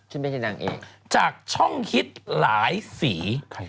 ไม่ใช่นางเอกจากช่องฮิตหลายสี